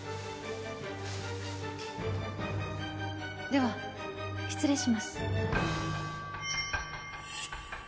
では失礼します。